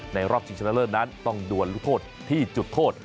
รอบชิงชนะเลิศนั้นต้องดวนลูกโทษที่จุดโทษ